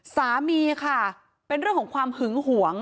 สามีค่ะเป็นเรื่องของความหึงหวง